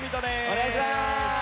お願いします！